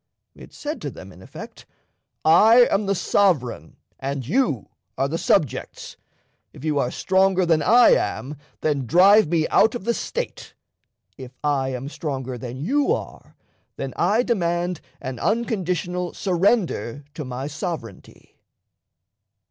It said to them, in effect: "I am the sovereign and you are the subjects. If you are stronger than I am, then drive me out of the State; if I am stronger than you are, then I demand an unconditional surrender to my sovereignty."